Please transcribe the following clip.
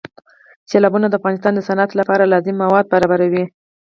سیلابونه د افغانستان د صنعت لپاره لازم مواد برابروي.